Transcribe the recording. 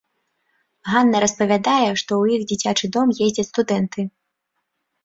Ганна распавядае, што ў іх дзіцячы дом ездзяць студэнты.